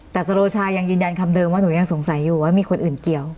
แต่สโรชายังยืนยันคำเดิมว่าหนูยังสงสัยอยู่ว่ามีคนอื่นเกี่ยว